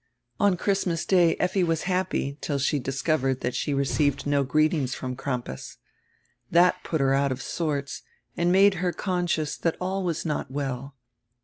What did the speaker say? On Christmas day Effi was happy till she discovered she had received no greeting from Crampas. That put her out of sorts and made her conscious that all was not well.